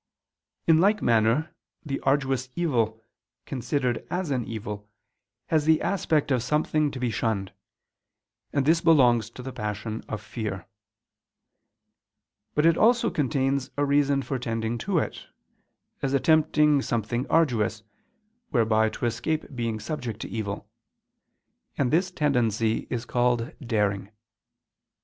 _ In like manner the arduous evil, considered as an evil, has the aspect of something to be shunned; and this belongs to the passion of fear: but it also contains a reason for tending to it, as attempting something arduous, whereby to escape being subject to evil; and this tendency is called _daring.